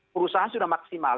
perusahaan sudah maksimal